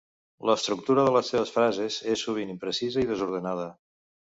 L'estructura de les seves frases és sovint imprecisa i desordenada.